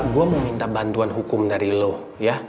gue mau minta bantuan hukum dari lo ya